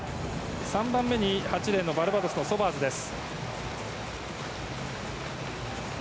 ３番目にバルバドスのソバーズです。